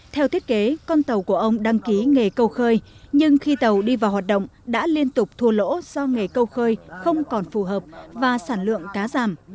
theo thiết kế con tàu của ông đăng ký nghề câu khơi nhưng khi tàu đi vào hoạt động đã liên tục thua lỗ do nghề câu khơi không còn phù hợp và sản lượng cá giảm